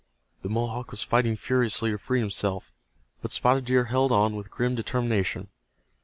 The Mohawk was fighting furiously to free himself, but Spotted Deer held on with grim determination.